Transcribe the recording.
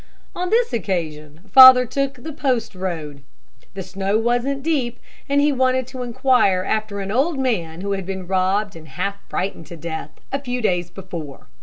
On this occasion father took the Post Road. The snow wasn't deep, and he wanted to inquire after an old man who had been robbed and half frightened to death, a few days before.